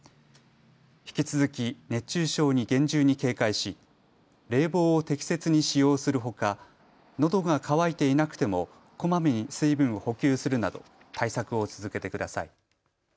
引き続き、熱中症に厳重に警戒し冷房を適切に使用するほかのどが渇いていなくてもこまめに水分を補給するなど対策を続けてください。